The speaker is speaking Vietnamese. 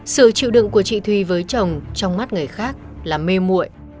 sự chịu đựng của chị thùy với chồng trong mắt người khác là mê mụi